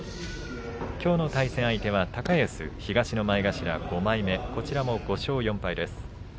きょうの対戦相手は高安東の前頭５枚目こちらも５勝４敗です。